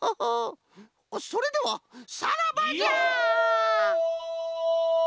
それではさらばじゃ！